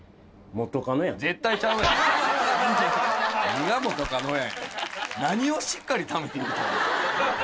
何が元カノや。